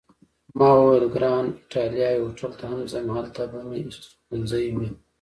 ما ورته وویل: ګران ایټالیا هوټل ته هم ځم، هلته به مې استوګنځی وي.